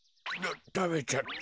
たべちゃった。